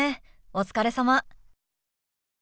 お疲れさま。